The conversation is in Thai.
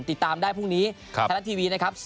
ติดตามได้พรุ่งนี้ไทยรัฐทีวีนะครับ